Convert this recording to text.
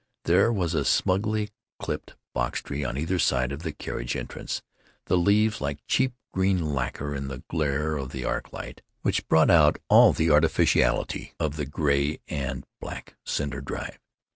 There was a smugly clipped box tree on either side of the carriage entrance, the leaves like cheap green lacquer in the glare of the arc light, which brought out all the artificiality of the gray and black cinder drive.